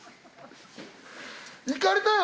いかれたよ